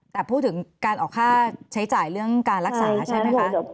แต่พูดถึงการออกค่าใช้จ่ายเรื่องการรักษาใช่ไหมคะ